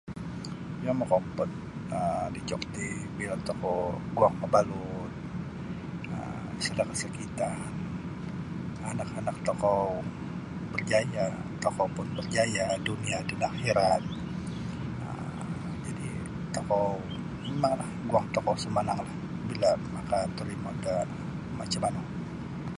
Yang mokompod um dijok ti bila tokou guang mabalut um sada' kasakitan anak-anak tokou barjaya' tokou pun barjaya' dunia dan akhirat um. Jadi' tokou mimanglah guang tokou sumananglah bila makatorimo da macam manu.